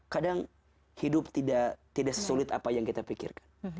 kadang hidup tidak sesulit apa yang kita pikirkan